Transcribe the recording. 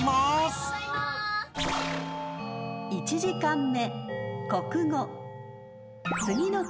［１時間目］